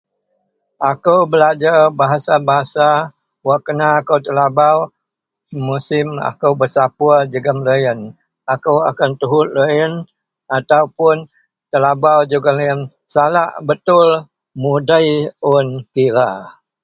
akou belajar bahasa-bahasa wak kena akou telabau, musim akou besapur jegum loyien, akou akan tuhut loyien ataupun telabau jegum deloyien salak betul mundei un kira